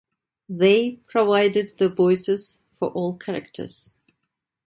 They provided the voices for all characters.